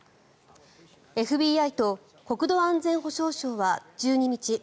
ＦＢＩと国土安全保障省は１２日